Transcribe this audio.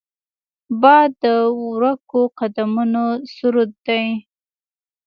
باد د ورکو قدمونو سرود دی